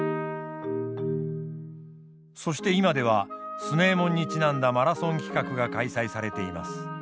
そして今では強右衛門にちなんだマラソン企画が開催されています。